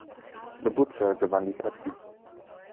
The Butcher gewann die Partie.